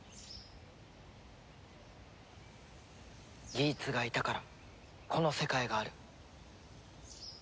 ギーツがいたからこの世界がある。